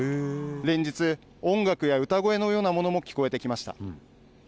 連日、音楽や歌声のようなものも聞こえてきました。